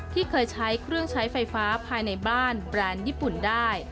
ที่เคยใช้เครื่องใช้ไฟฟ้าภายในบ้านแบรนด์ญี่ปุ่นได้